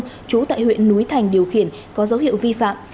bị giữ tại huyện núi thành điều khiển có dấu hiệu vi phạm